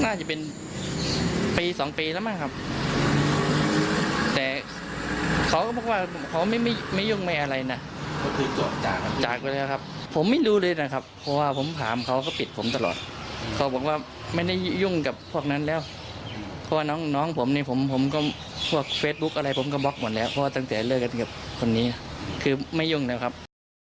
อายุไม่ยุ่งนะครับ